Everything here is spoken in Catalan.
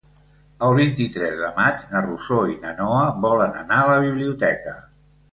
El vint-i-tres de maig na Rosó i na Noa volen anar a la biblioteca.